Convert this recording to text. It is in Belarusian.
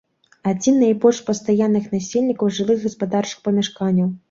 Адзін найбольш пастаянных насельнікаў жылых і гаспадарчых памяшканняў.